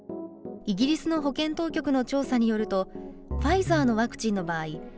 イギリスの保健当局の調査によるとファイザーのワクチンの場合